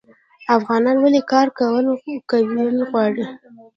افغانان ولې کار کول غواړي؟